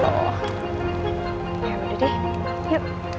ya udah deh yuk